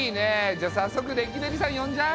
じゃさっそくレキデリさん呼んじゃう？